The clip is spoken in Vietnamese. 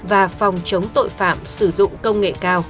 và phòng chống tội phạm sử dụng công nghệ cao